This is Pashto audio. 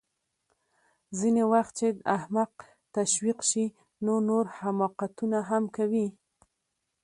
ځینې وخت چې احمق تشویق شي نو نور حماقتونه هم کوي